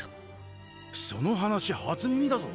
その話初耳だぞ。